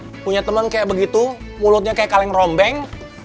ya punya temen kayak begitu mulutnya kayak kaleng rombeng